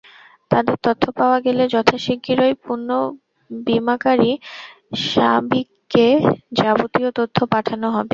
তাদের তথ্য পাওয়া গেলে যথাশিগগিরই পুনঃ বিমাকারী সাবিককে যাবতীয় তথ্য পাঠানো হবে।